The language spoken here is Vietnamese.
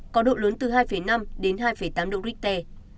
có độ lớn từ hai năm đến hai tám độ richter